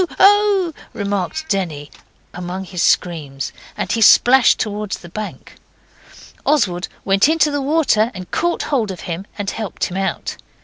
oh!' remarked Denny, among his screams, and he splashed towards the bank. Oswald went into the water and caught hold of him and helped him out.